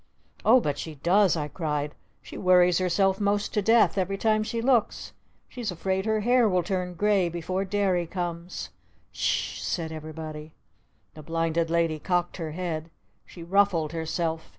"Oh but she does!" I cried. "She worries herself most to death every time she looks! She's afraid her hair will turn gray before Derry comes!" "S s h!" said everybody. The Blinded Lady cocked her head. She ruffled herself.